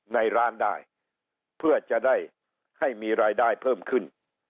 ในร้านได้เพื่อจะได้ให้มีรายได้เพิ่มขึ้น